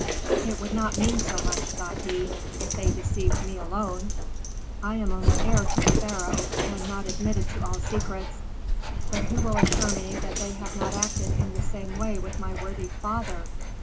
"It would not mean so much," thought he, "if they deceived me alone; I am only heir to the pharaoh, and not admitted to all secrets. But who will assure me that they have not acted in the same way with my worthy father?